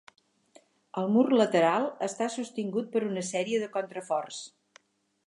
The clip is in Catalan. El mur lateral està sostingut per una sèrie de contraforts.